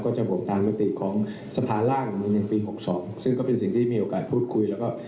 ก็จะบวกตามหน้าตีของสะพานล่างในปี๖๒ซึ่งก็เป็นสิ่งที่มีโอกาสพูดคุยแล้วก็